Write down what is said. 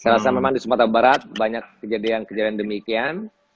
di semata barat banyak kejadian demikian